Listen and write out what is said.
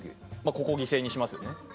ここを犠牲にしますよね。